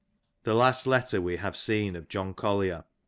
The last letter we have seen of John Collier {T.